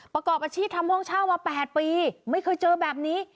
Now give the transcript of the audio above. ประกอบอาชีพทำห้องเช่ามา๘ปีไม่เคยเจอแบบนี้